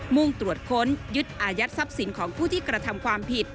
มุ่งตรวจค้นยึดอายัดทรัพย์สินของผู้ที่กระทำความผิด